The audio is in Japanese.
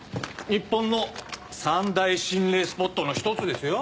日本の三大心霊スポットの一つですよ。